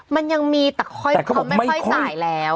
มันยังมีแต่เขาไม่ค่อยสายแล้ว